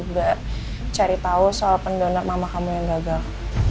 kamu ngapain tiba tiba cari tau soal pendonat mama kamu yang gagal